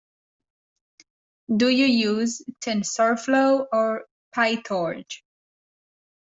Do you use Tensorflow or Pytorch?